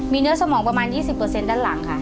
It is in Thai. เนื้อสมองประมาณ๒๐ด้านหลังค่ะ